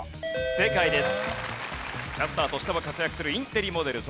正解です。